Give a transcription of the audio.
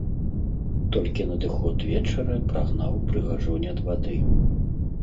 Толькі надыход вечара прагнаў прыгажунь ад вады.